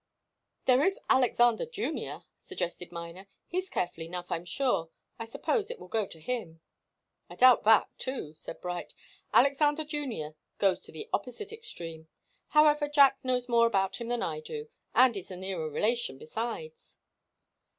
"There is Alexander Junior," suggested Miner. "He's careful enough, I'm sure. I suppose it will go to him." "I doubt that, too," said Bright. "Alexander Junior goes to the opposite extreme. However, Jack knows more about that than I do and is a nearer relation, besides."